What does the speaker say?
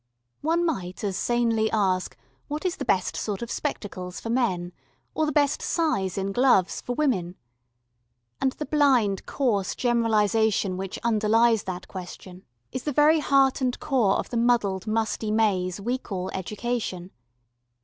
One might as sanely ask what is the best sort of spectacles for men, or the best size in gloves for women. And the blind coarse generalisation which underlies that question is the very heart and core of the muddled, musty maze we call education.